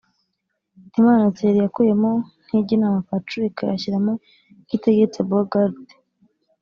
Hitimana Thierry yakuyemo Ntijyinama Patrick ashyiramo Kitegetse Bogarde